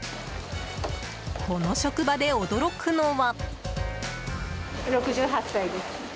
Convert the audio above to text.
この職場で驚くのは。